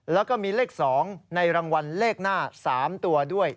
แล้วก็มีเลข๒ในรางวัลเลขหน้า๓ตัวด้วย